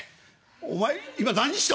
「お前今何した？